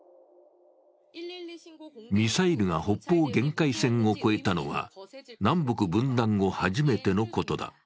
ミサイルが北方限界線を越えたのは南北分断後初めてのことだ。